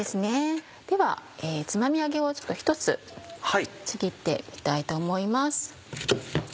ではつまみ揚げを１つちぎってみたいと思います。